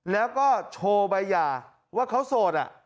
แล้วก็โชว์ใบหย่าว่าเขาโสด